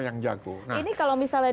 yang jago ini kalau misalnya